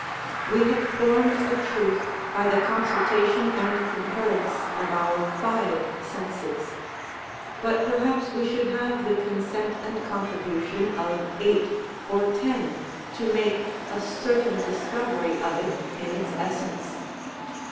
We have formed a truth by the consultation and concurrence of our five senses; but perhaps we should have the consent and contribution of eight or ten to make a certain discovery of it in its essence.